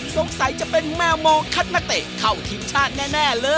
จะเป็นแมวมองคัดนักเตะเข้าทีมชาติแน่เลย